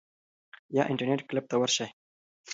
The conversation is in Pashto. یا انټرنیټ کلب ته ورشئ.